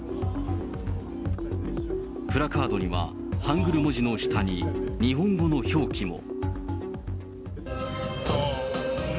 プラカードには、ハングル文字の下に日本語の表記も。